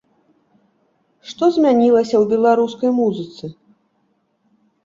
Што змянілася ў беларускай музыцы?